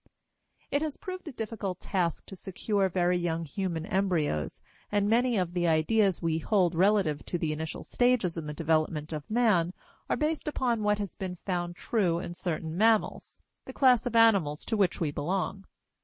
It has proved a difficult task to secure very young human embryos, and many of the ideas we hold relative to the initial stages in the development of man are based upon what has been found true in certain mammals, the class of animals to which we belong.